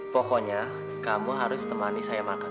pokoknya kamu harus temani saya makan